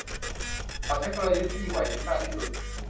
เขาใช้กลยุทธ์ที่มีไหวพริบมากที่สุด